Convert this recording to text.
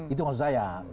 itu maksud saya